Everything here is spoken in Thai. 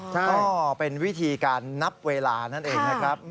ก็เป็นวิธีการนับเวลานั่นเองนะครับ